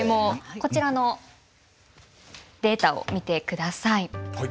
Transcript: こちらのデータを見てください。